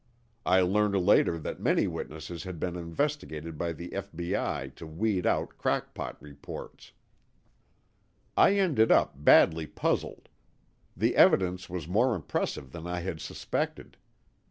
I learned later that many witnesses had been investigated by the F.B.I. to weed out crackpot reports. I ended up badly puzzled. The evidence was more impressive than I had suspected.